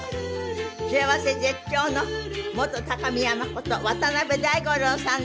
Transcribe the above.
幸せ絶頂の元高見山こと渡辺大五郎さんです。